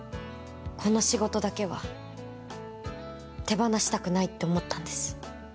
この仕事だけは手放したくないって思ったんです。